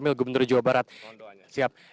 untuk pengap prototyp